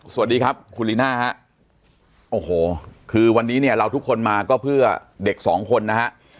สวัสดีครับคุณลีน่าฮะโอ้โหคือวันนี้เนี่ยเราทุกคนมาก็เพื่อเด็กสองคนนะฮะ